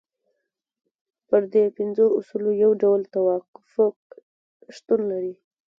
پر دې پنځو اصولو یو ډول توافق شتون لري.